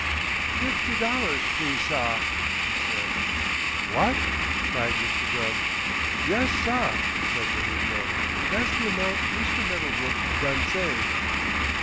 "Fifty dollars, please, sah," he said. "What!" cried Mr. Gubb. "Yes, sah," said the negro. "That's the amount Mistah Meddahbrook done say."